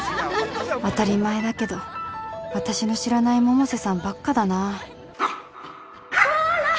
当たり前だけど私の知らない百瀬さんばっかだなこら！